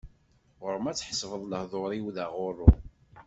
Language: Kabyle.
Ɣur-m ad tḥesbeḍ lehdur-iw d aɣurru.